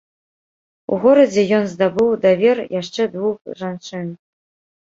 У горадзе ён здабыў давер яшчэ двух жанчын.